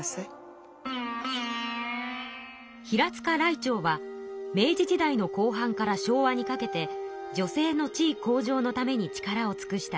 平塚らいてうは明治時代の後半から昭和にかけて女性の地位向上のために力をつくした人物です。